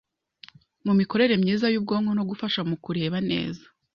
mu mikorere myiza y’ubwonko no gufasha mu kureba neza